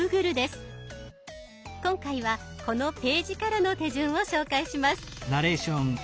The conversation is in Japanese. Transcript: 今回はこのページからの手順を紹介します。